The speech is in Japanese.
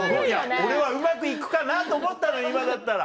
俺はうまく行くかなと思ったの今だったら。